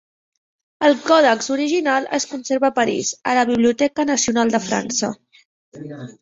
El còdex original es conserva a París, a la Biblioteca Nacional de França.